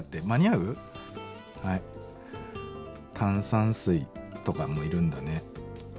炭酸水とかもいるんだね。